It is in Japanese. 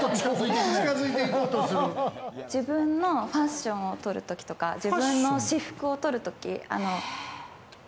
自分のファッションを撮るときとか、自分の私服を撮る時。